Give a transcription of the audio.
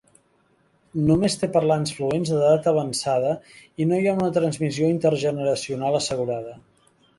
Només té parlants fluents d'edat avançada i no hi ha una transmissió intergeneracional assegurada.